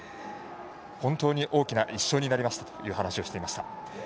本当に大きな１勝になりましたという話をしていました。